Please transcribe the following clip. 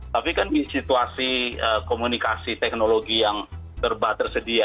tapi kan di situasi komunikasi teknologi yang serba tersedia